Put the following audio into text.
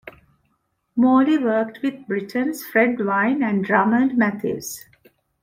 Morley worked with Britons Fred Vine and Drummond Matthews.